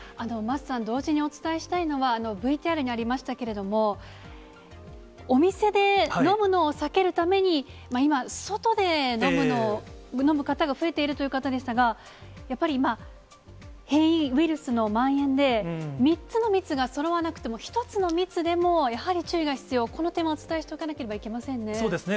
桝さん、同時にお伝えしたいのは、ＶＴＲにありましたけれども、お店で飲むのを避けるために、今、外で飲む方が増えているということでしたが、やっぱり今、変異ウイルスのまん延で、３つの密がそろわなくても、１つの密でも、やはり注意が必要、この点はお伝えしておかなければいけませんよね。